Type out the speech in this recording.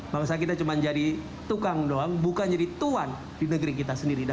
bangsa kita cuma jadi tukang doang bukan jadi tuan di negeri kita sendiri